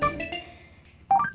kalian tuh bosin